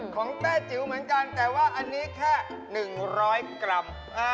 แต้จิ๋วเหมือนกันแต่ว่าอันนี้แค่๑๐๐กรัม